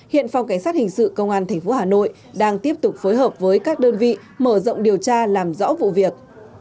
hiện phòng cảnh sát hình sự công an tp hà nội đang tiếp tục phối hợp với các đơn vị mở rộng điều tra làm rõ vụ việc